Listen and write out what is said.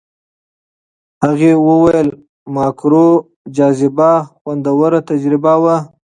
هغې وویل ماکرو جاذبه خوندور تجربه وه.